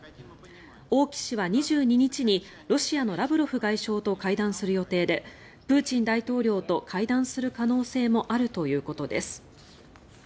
王毅氏は２２日にロシアのラブロフ外相と会談する予定でプーチン大統領と会談する可能性もあるということです。